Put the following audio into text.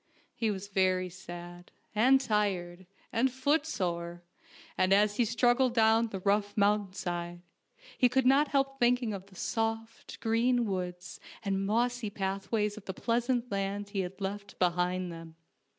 He was very sad, and tired, and footsore, and as he struggled down the rough mountain side, he could not help thinking of the soft, green woods and mossy pathways of the pleasant laud he had left behind him.